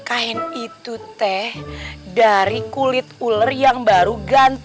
aku akan menganggap